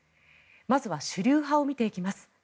まずは主流派を見ていきます。